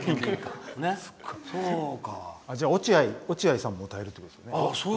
じゃあ、落合さんも歌えるわけですね。